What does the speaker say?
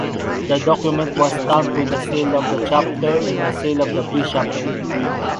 The document was stamped with the seal of the chapter and the seal of the bishop.